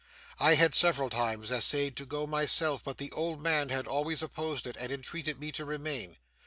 I had several times essayed to go myself, but the old man had always opposed it and entreated me to remain.